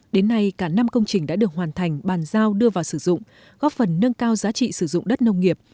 đến nay cả năm công trình đã được hoàn thành bàn giao đưa vào sử dụng góp phần nâng cao giá trị sử dụng đất nông nghiệp